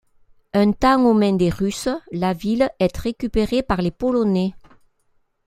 Un temps aux mains des Russes, la ville est récupérée par les Polonais.